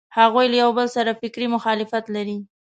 هغوی له یوبل سره فکري مخالفت لري.